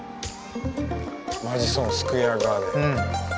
マディソン・スクエア・ガーデン。